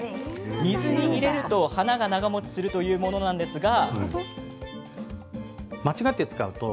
水に入れると花が長もちするというものですが。